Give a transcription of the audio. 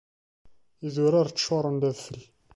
Idurar ččuren d adfel.